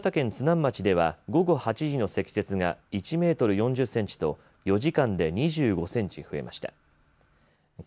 新潟県津南町では午後８時の積雪が１メートル４０センチと４時間で２５センチ増えました。